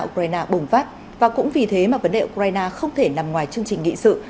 ukraine bùng phát và cũng vì thế mà vấn đề ukraine không thể nằm ngoài chương trình nghị sự